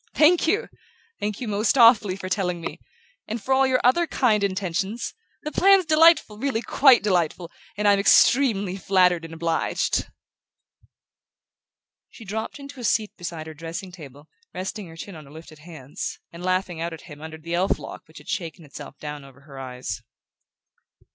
"Thank you thank you most awfully for telling me! And for all your other kind intentions! The plan's delightful really quite delightful, and I'm extremely flattered and obliged." She dropped into a seat beside her dressing table, resting her chin on her lifted hands, and laughing out at him under the elf lock which had shaken itself down over her eyes.